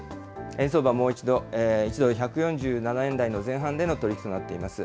円相場、もう一度、１ドル１４７円台の前半での取り引きとなっています。